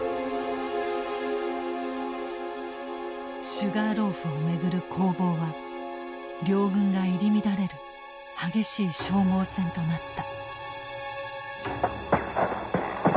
シュガーローフを巡る攻防は両軍が入り乱れる激しい消耗戦となった。